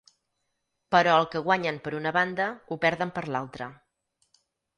Però el que guanyen per una banda ho perden per l'altra.